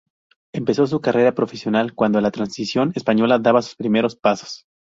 Empezó su carrera profesional cuando la Transición Española daba sus primeros pasos.